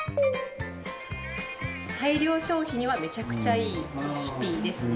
大量消費にはめちゃくちゃいいレシピですね。